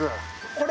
これ。